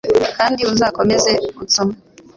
Kandi uzakomeza kunsoma